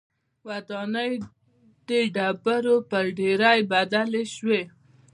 ودانۍ د ډبرو پر ډېرۍ بدلې شوې